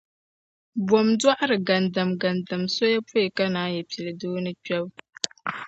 Bɔm dɔɣiri gandamgandam soya pɔi ka naayi pili dooni kpɛbu.